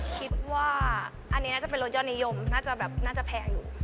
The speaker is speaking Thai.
คิดว่าอันนี้น่าจะเป็นรสยอดนิยมน่าจะแบบน่าจะแพงอยู่